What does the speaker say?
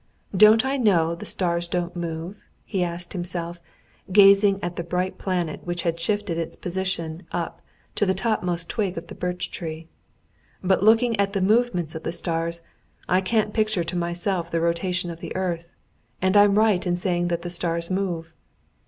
"Don't I know that the stars don't move?" he asked himself, gazing at the bright planet which had shifted its position up to the topmost twig of the birch tree. "But looking at the movements of the stars, I can't picture to myself the rotation of the earth, and I'm right in saying that the stars move.